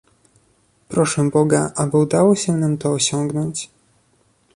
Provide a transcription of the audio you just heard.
Proszę Boga, aby udało się nam to osiągnąć